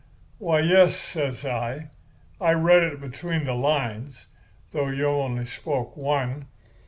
"'Why, yes,' says I, 'I read it between the lines, though you only spoke one.